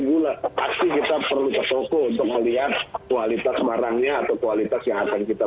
gula pasti kita perlu ke toko untuk melihat kualitas barangnya atau kualitas yang akan kita